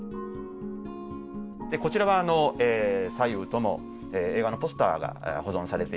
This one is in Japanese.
こちらは左右とも映画のポスターが保存されているところです。